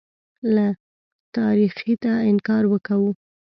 له تاریخیته انکار وکوو.